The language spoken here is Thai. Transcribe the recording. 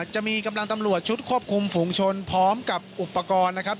จะมีกำลังตำรวจชุดควบคุมฝูงชนพร้อมกับอุปกรณ์นะครับ